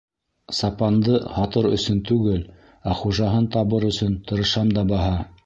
Сапанды һатыр өсөн түгел, ә хужаһын табыр өсөн тырышам да баһа.